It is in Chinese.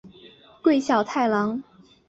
桂小太郎。